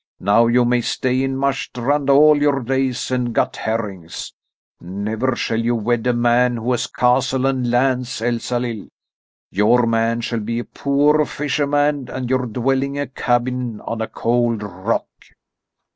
Now you may stay in Marstrand all your days and gut herrings. Never shall you wed a man who has castle and lands, Elsalill. Your man shall be a poor fisherman and your dwelling a cabin on a cold rock."